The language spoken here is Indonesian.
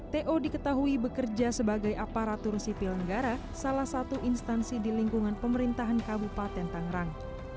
to diketahui bekerja sebagai aparatur sipil negara salah satu instansi di lingkungan pemerintahan kabupaten tangerang